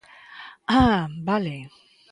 ¡Ah, vale!